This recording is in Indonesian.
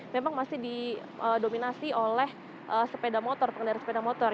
memang masih didominasi oleh sepeda motor pengendara sepeda motor